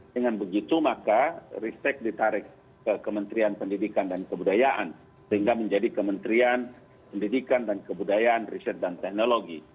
dengan begitu maka ristek ditarik ke kementerian pendidikan dan kebudayaan sehingga menjadi kementerian pendidikan dan kebudayaan riset dan teknologi